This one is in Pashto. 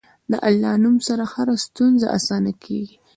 د الله نوم سره هره ستونزه اسانه کېږي.